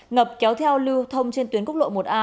ngập kéo theo lưu thông trên tuyến quốc lộ một a